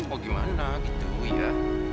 kok gimana gitu ya